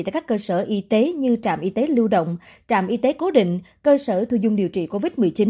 tại các cơ sở y tế như trạm y tế lưu động trạm y tế cố định cơ sở thu dung điều trị covid một mươi chín